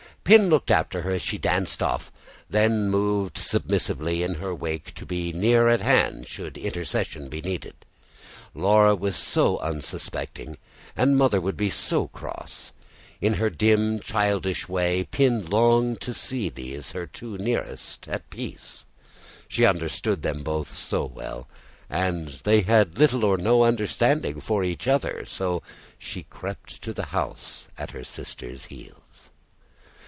Pin looked after her as she danced off, then moved submissively in her wake to be near at hand should intercession be needed. Laura was so unsuspecting, and Mother would be so cross. In her dim, childish way Pin longed to see these, her two nearest, at peace; she understood them both so well, and they had little or no understanding for each other. So she crept to the house at her sister's heels.